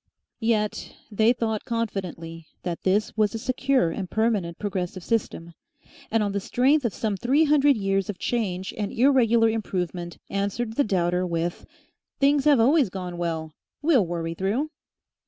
Yet they thought confidently that this was a secure and permanent progressive system, and on the strength of some three hundred years of change and irregular improvement answered the doubter with, "Things always have gone well. We'll worry through!"